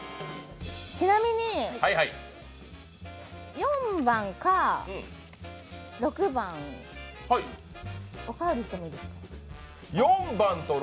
ちなみに、４番か６番お代わりしていいですか？